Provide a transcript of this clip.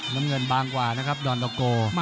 น้ำเงินบางกว่านะครับดอนตะโก